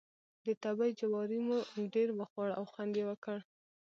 د تبۍ جواری مو ډېر وخوړ او خوند یې وکړ.